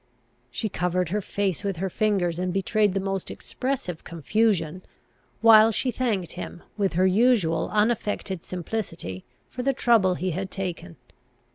She covered her face with her fingers, and betrayed the most expressive confusion, while she thanked him, with her usual unaffected simplicity, for the trouble he had taken.